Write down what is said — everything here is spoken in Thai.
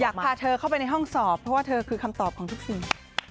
พาเธอเข้าไปในห้องสอบเพราะว่าเธอคือคำตอบของทุกสิ่ง